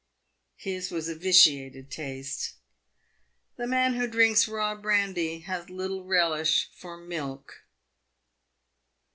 His was a vitiated taste. The man who drinks raw brandy has little relish for milk.